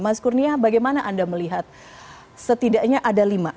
mas kurnia bagaimana anda melihat setidaknya ada lima